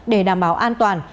để đảm bảo an toàn